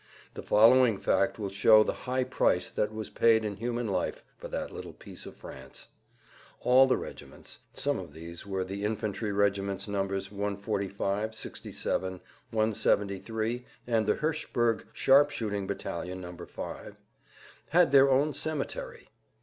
The following fact will show the high price that was paid in human life for that little piece of France. All the regiments (some of these were the infantry regiments Nos. 145, 67, 173, and the Hirschberg sharpshooting battalion No. 5) had their own cemetery.